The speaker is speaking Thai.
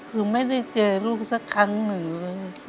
คือไม่ได้เจอลูกสักครั้งหนึ่ง